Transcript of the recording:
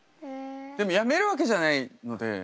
でもやめるわけじゃないので。